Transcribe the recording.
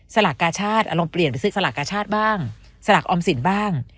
สลากกาชาติลองเปลี่ยนไปซื้อสลากกาชาติบ้างสลักออมสินบ้าง